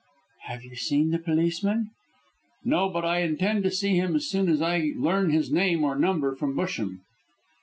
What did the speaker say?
"Have you seen the policeman?" "No, but I intend to see him as soon as I learn his name or number from Busham."